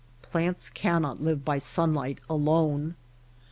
Plants cannot live by sunlight alone.